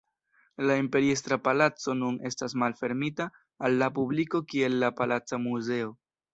La Imperiestra Palaco nun estas malfermita al la publiko kiel la Palaca Muzeo.